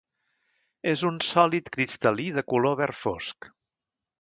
És un sòlid cristal·lí de color verd fosc.